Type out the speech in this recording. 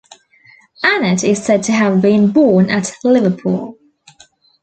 Annet is said to have been born at Liverpool.